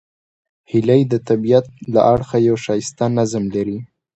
هیلۍ د طبیعت له اړخه یو ښایسته نظم لري